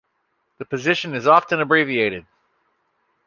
The position is often abbreviated.